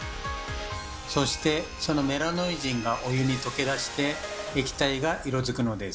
そしてそのメラノイジンがお湯に溶け出して液体が色づくのです。